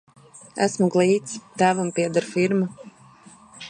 Esmu glīts, tēvam pieder firma.